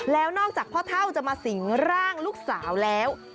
แล้วนอกจากพ่อเท่าจะมาสิงร่างลูกสาวแล้ว